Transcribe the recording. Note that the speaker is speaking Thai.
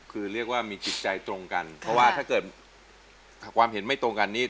คือเรียกว่ามีจิตใจตรงกันเพราะว่าถ้าเกิดความเห็นไม่ตรงกันนี้